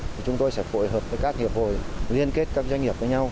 thì chúng tôi sẽ phối hợp với các hiệp hội liên kết các doanh nghiệp với nhau